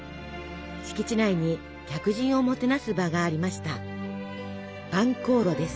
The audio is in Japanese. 敷地内に客人をもてなす場がありました。